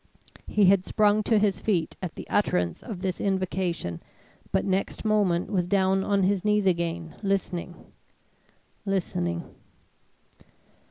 He had sprung to his feet at the utterance of this invocation, but next moment was down on his knees again, listening listening.